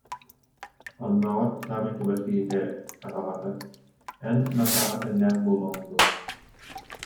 Оннооҕор саамай чугас киһитэ абаҕата: «Эн Натааҕа тэҥнээх буолуоҥ дуо»